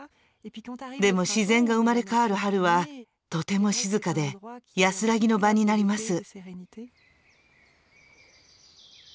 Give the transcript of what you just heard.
でも自然が生まれ変わる春はとても静かで安らぎの場になります。